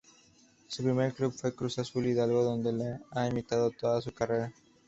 Su primer club fue Cruz Azul Hidalgo donde ha militado toda su carrera.